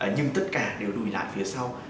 nhưng tất cả đều đùi lại phía sau